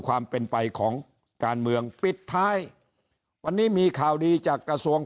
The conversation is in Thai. ความเป็นไปของการเมืองปิดท้ายวันนี้มีข่าวดีจากกระทรวง